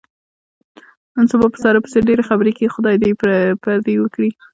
نن سبا په ساره پسې ډېرې خبرې کېږي. خدای یې دې پردې و کړي.